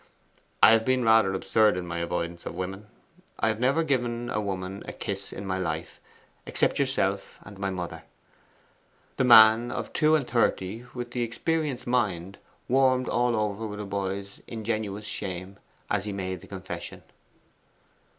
I have been rather absurd in my avoidance of women. I have never given a woman a kiss in my life, except yourself and my mother.' The man of two and thirty with the experienced mind warmed all over with a boy's ingenuous shame as he made the confession.